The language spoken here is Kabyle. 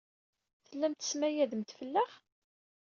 Tellamt tesmayademt fell-aɣ?